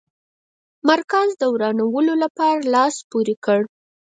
مرکز د ورانولو لپاره لاس پوري کړ.